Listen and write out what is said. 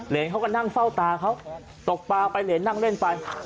เขาก็นั่งเฝ้าตาเขาตกปลาไปเหรนนั่งเล่นไป